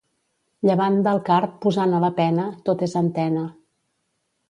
Llevant del car posant a la pena, tot és antena.